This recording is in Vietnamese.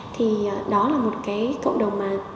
thì đó là một cái cộng đồng mà